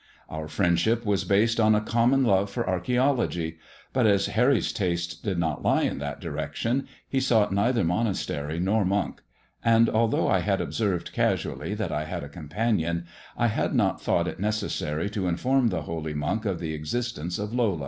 Our friendship was based on a common love for archee ology ; but as Harry's tastes did not lie in that direction, he sought neither monastery nor monk ; and although I had observed casually that I had a companion, I had not thought it necessary to inform the holy monk of the existence of Lola.